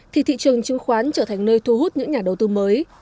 trở thành nơi thu hút những nhà đầu tư mới